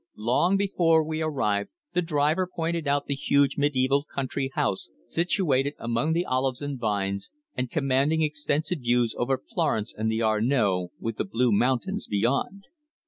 Long before we arrived the driver pointed out the huge, mediæval country house situated among the olives and vines, and commanding extensive views over Florence and the Arno, with the blue mountains beyond.